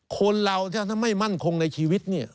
คนเราถ้าไม่มั่นคงในชีวิตเนี่ย